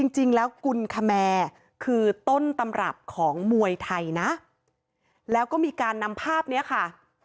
จริงแล้วกุลคแมร์คือต้นตำรับของมวยไทยนะแล้วก็มีการนำภาพนี้ค่ะ